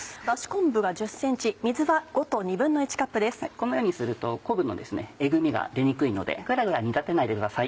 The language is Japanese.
このようにすると昆布のえぐみが出にくいのでぐらぐら煮立てないでください。